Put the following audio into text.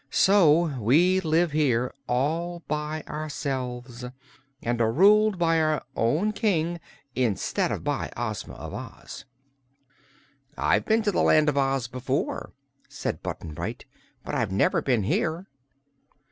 So we live here all by ourselves, and are ruled by our own King, instead of by Ozma of Oz." "I've been to the Land of Oz before," said Button Bright, "but I've never been here."